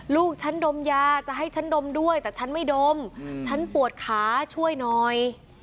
ลูกฉันดมยาจะให้ฉันดมด้วยแต่ฉันไม่ดมฉันปวดขาช่วยหน่อย